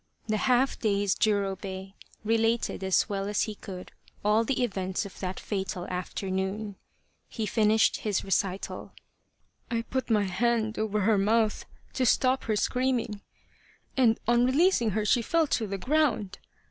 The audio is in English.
The half dazed Jurobei related as well as he could all the events of that fatal afternoon. He finished his recital : 35 The Quest of the Sword " I put my hand over her mouth to stop her scream ing, and on releasing her she fell to the ground.